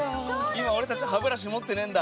今俺たち歯ブラシ持ってねえんだ。